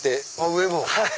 上も。